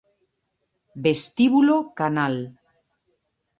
Vestíbulo Canal